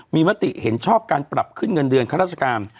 มีมติเห็นชอบการปรับขึ้นเงินเดือนข้าราชการ